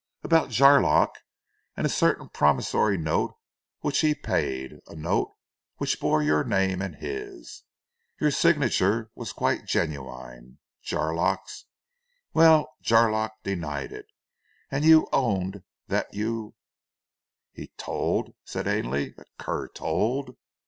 "About Jarlock and a certain promissory note which he paid, a note which bore your name and his. Your signature was quite genuine. Jarlock's well, Jarlock denied it, and you owned that you " "He told?" said Ainley. "The cur told?"